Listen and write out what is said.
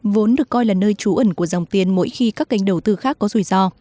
vốn được coi là nơi trú ẩn của dòng tiền mỗi khi các kênh đầu tư khác có rủi ro